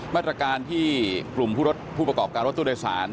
มาตรการที่กลุ่มผู้ประกอบการรถตู้โดยสาร